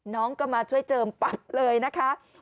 น้องก็มาช่วยเจิมปั๊บเลยนะคะ